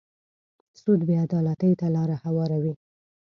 سود بې عدالتۍ ته لاره هواروي.